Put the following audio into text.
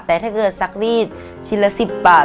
แต่ถ้าเกิดซักรีดชิ้นละ๑๐บาท